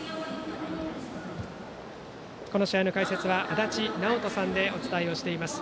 この試合の解説は足達尚人さんでお伝えしています。